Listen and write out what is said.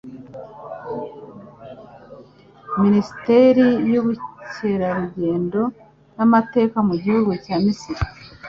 Minisiteri y'Ubukerarugendo n'Amateka mu gihugu cya Misiri